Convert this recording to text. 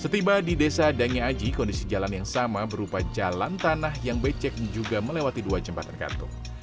setiba di desa dani aji kondisi jalan yang sama berupa jalan tanah yang becek juga melewati dua jembatan gantung